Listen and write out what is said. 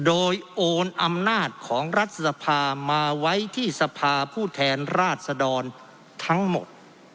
โดยโอนอำนาจของรัฐสภามาไว้ที่สภาผู้แทนราชดรทั้งหมด